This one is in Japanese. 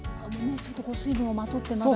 ちょっとこう水分をまとってまだ。